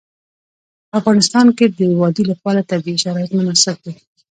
په افغانستان کې د وادي لپاره طبیعي شرایط مناسب دي.